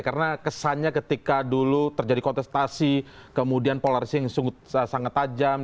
karena kesannya ketika dulu terjadi kontestasi kemudian polarisasi yang sangat tajam